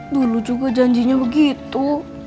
dulu juga janjinya begitu